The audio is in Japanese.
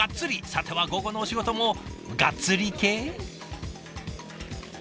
さては午後のお仕事もガッツリ系？